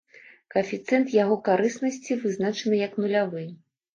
Каэфіцыент яго карыснасці вызначаны як нулявы.